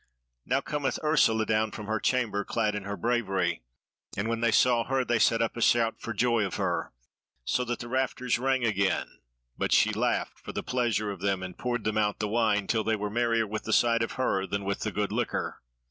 Now cometh Ursula down from her chamber clad in her bravery; and when they saw her they set up a shout for joy of her, so that the rafters rang again; but she laughed for pleasure of them, and poured them out the wine, till they were merrier with the sight of her than with the good liquor.